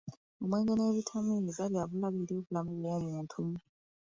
Omwenge n'ebitamiiza ebirala byabulabe eri obulamu bw'omuntu.